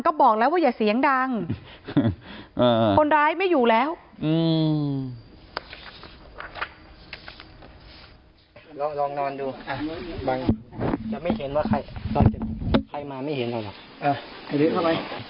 ก็บอกแล้วว่าอย่าเสียงดังคนร้ายไม่อยู่แล้วอืม